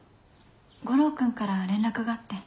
悟郎君から連絡があって。